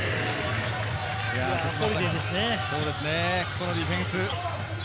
このディフェンス。